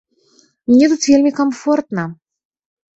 Мне тут вельмі камфортна.